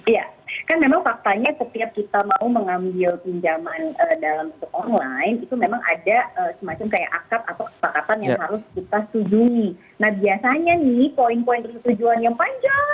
ya kan memang faktanya setiap kita mau mengambil pinjaman dalam online itu memang ada semacam akad atau kesepakatan